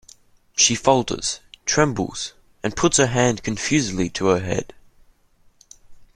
She falters, trembles, and puts her hand confusedly to her head.